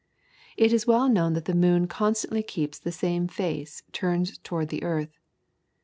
It is well known that the moon constantly keeps the same face turned towards the earth.